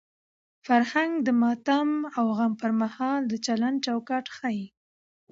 فرهنګ د ماتم او غم پر مهال د چلند چوکاټ ښيي.